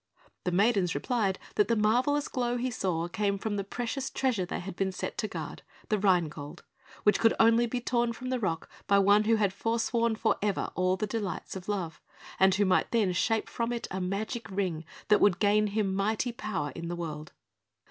The maidens replied that the marvellous glow he saw came from the precious treasure they had been set to guard, the Rhinegold, which could only be torn from the rock by one who had forsworn for ever all the delights of love, and who might then shape from it a magic Ring that would gain him mighty power in the world.